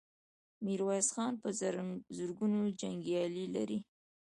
ميرويس خان په زرګونو جنګيالي لري.